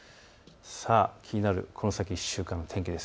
気になるこの先１週間の天気です。